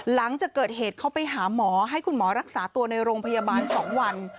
หลังจากเกิดเหตุเขาไปหาหมอให้คุณหมอรักษาตัวในโรงพยาบาล๒วัน